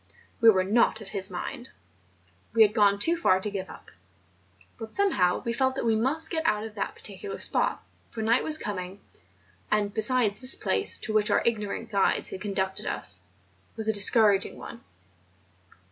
We were not of his mind; we had gone too far to give up ; but somehow we felt that we must get out of that particular spot, for night was coming on; and besides this place, to which our ignorant guides had conducted us, was a discouraging one.